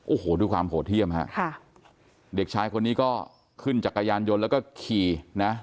โอ้โหดูความโหดเที่ยมฮะค่ะเด็กชายคนนี้ก็ขึ้นจักรยานยนต์แล้วก็ขี่นะ